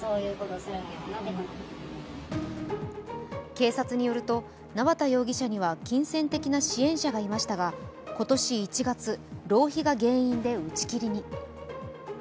警察によると、縄田容疑者には金銭的な支援者がいましたが今年１月、浪費が原因で打ち切りに。